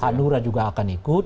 hanura juga akan ikut